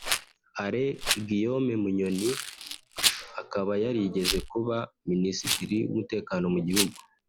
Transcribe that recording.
Alain Guillaume Bunyoni akaba yarigeze kuba Minisitiri w’Umutekano mu gihugu